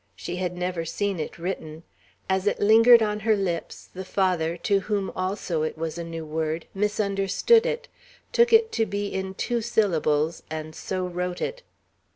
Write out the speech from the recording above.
She had never seen it written; as it lingered on her lips, the Father, to whom also it was a new word, misunderstood it, took it to be in two syllables, and so wrote it.